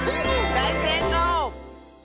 だいせいこう！